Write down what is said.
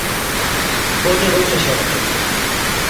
Poño dous exemplos.